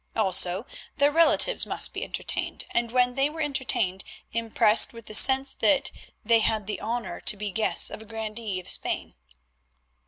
Also their relatives must be entertained, and when they were entertained impressed with the sense that they had the honour to be guests of a grandee of Spain.